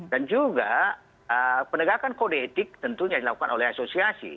dan juga penegakan kode etik tentunya dilakukan oleh asosiasi